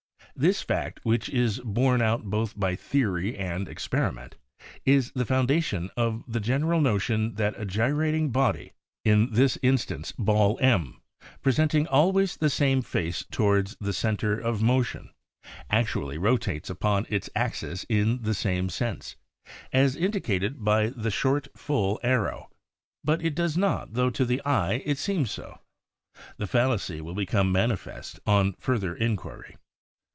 This fact, which is borne out both by theory and experiment, is the foundation of the general notion that a gyrating body — in this instance ball M — presenting always the same face towards the center of motion, actually rotates upon its axis in the same sense, as indicated by the short full arrow. But it does not tho to the eye it seems so. The fallacy will become manifest on further inquiry.